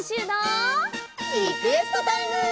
リクエストタイム！